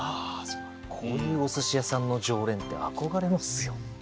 こういうお寿司屋さんの常連って憧れますよ。